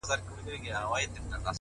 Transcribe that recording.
زه يم دا مه وايه چي تا وړي څوك،